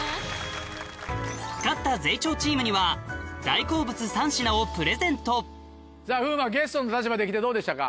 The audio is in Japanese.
勝ったゼイチョーチームには大好物３品をプレゼントさぁ風磨ゲストの立場で来てどうでしたか？